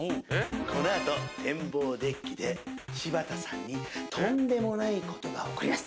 このあと展望デッキで柴田さんにとんでもない事が起こります。